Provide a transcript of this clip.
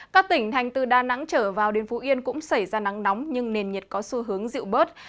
các tỉnh thành từ đà nẵng trở vào đến phú yên cũng xảy ra nắng nóng nhưng nền nhiệt có xu hướng dịu bớt